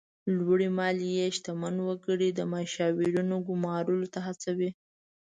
لوړې مالیې شتمن وګړي د مشاورینو ګمارلو ته هڅوي.